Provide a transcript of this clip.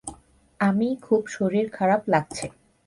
আমি খুব শরীর খারাপ লাগছে।